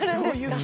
はい。